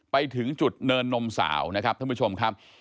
ไปถึงจุดเนินนมสาวนะครับท่านผู้ชมครับ